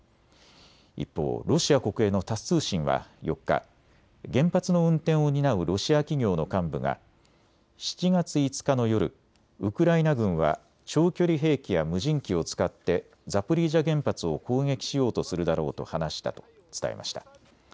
一方、ロシア国営のタス通信は４日、原発の運転を担うロシア企業の幹部が７月５日の夜、ウクライナ軍は長距離兵器や無人機を使ってザポリージャ原発を攻撃しようとするだろうと話したと伝えました。